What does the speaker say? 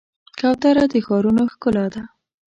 کوتره د ښارونو ښکلا ده.